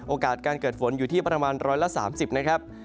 โอกาสการเกิดฝนอยู่ที่ประมาณ๑๓๐นะครับ